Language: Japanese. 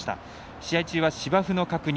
試合中は芝生の確認